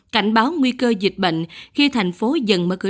cảnh báo nguy cơ dịch bệnh khi thành phố dần mở cửa